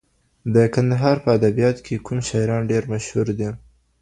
د کندهار په ادبیاتو کي کوم شاعران ډېر مشهور دي؟